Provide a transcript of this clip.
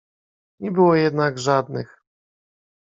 "Nie było jednak żadnych."